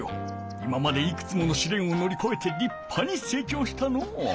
今までいくつものしれんをのりこえてりっぱに成長したのう！